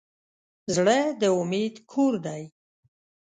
زړه د امید کور دی.